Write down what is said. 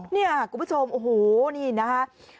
เนี่ยคุณผู้ชมโอ้โหนี่นะคะ